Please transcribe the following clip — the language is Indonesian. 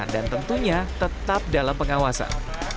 tentunya tetap dalam pengawasan